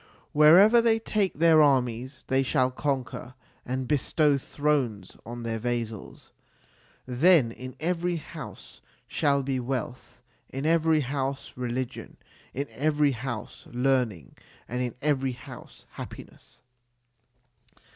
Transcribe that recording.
Wherever they take their armies they shall conquer and bestow thrones on their vassals. Then in every house shall be wealth, in every house religion, in every house learning, and in every house happiness.